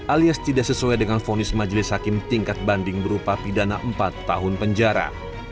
alias tidak sesuai dengan fonis majelis hakim tingkat banding berupa pidana empat tahun penjara